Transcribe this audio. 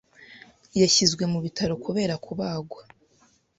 Yashyizwe mu bitaro kubera kubagwa.